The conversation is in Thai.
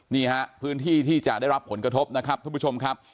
นี่ฮะพื้นที่ที่จะได้รับผลกระทบนะครับท่านผู้ชมครับ